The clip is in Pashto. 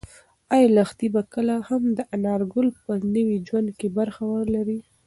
ایا لښتې به کله هم د انارګل په نوي ژوند کې برخه ولري؟